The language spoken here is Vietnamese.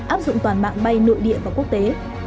áp dụng toàn mạng bay nội địa và quốc tế